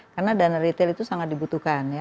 karena dana retail itu sangat dibutuhkan ya